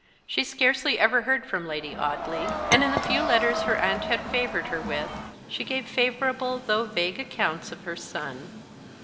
She scarcely ever heard from Lady Audley; and in the few letters her aunt had favoured her with, she gave favourable, though vague accounts of her son.